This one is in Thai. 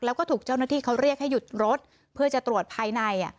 แล้วก็ถูกเจ้าหน้าที่เขาเรียกให้หยุดรถเพื่อจะตรวจภายใน